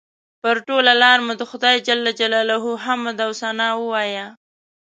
پر ټوله لاره مو د خدای جل جلاله حمد او ثنا ووایه.